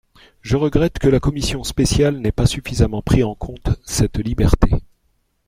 Je regrette que la commission spéciale n’ait pas suffisamment pris en compte cette liberté.